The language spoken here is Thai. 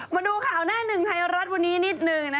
มาดูข่าวหน้าหนึ่งไทยรัฐวันนี้นิดนึง